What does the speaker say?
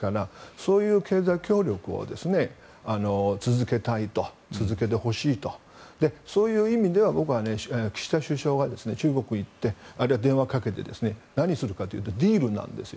そういう経済協力を続けたいそういう意味では岸田首相は中国に行ってあるいは電話をかけて何をするかというとディールなんですよ。